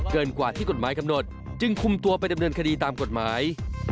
กว่าที่กฎหมายกำหนดจึงคุมตัวไปดำเนินคดีตามกฎหมาย